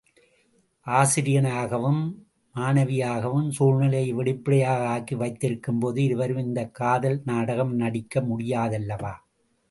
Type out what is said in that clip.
ஆசிரியனாகவும் மாணவியாகவும் சூழ்நிலையை வெளிப்படையாக ஆக்கி வைத்திருக்கும்போது இருவரும் இந்தக் காதல் நாடகம் நடிக்க முடியாதல்லவா?